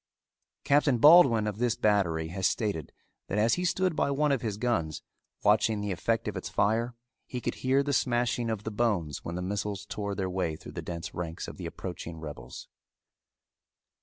Captain Baldwin of this battery has stated that as he stood by one of his guns, watching the effect of its fire, he could hear the smashing of the bones when the missiles tore their way through the dense ranks of the approaching rebels.